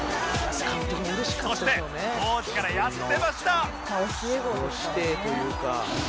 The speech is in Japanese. そして当時からやってました！